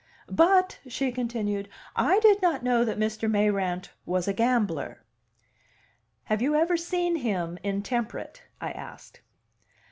"But," she continued, "I did not know that Mr. Mayrant was a gambler." "Have you ever seen him intemperate?" I asked.